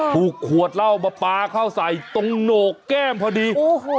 ขวดเหล้ามาปลาเข้าใส่ตรงโหนกแก้มพอดี